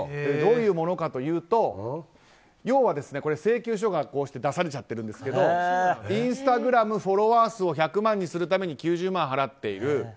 どういうものかというと要は請求書が出されちゃってるんですけどインスタグラムフォロワー数を１００万にするために９０万払っている。